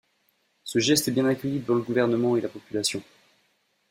Ce geste est bien accueilli dans le gouvernement et la population.